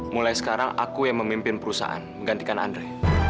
mulai sekarang aku yang memimpin perusahaan menggantikan andre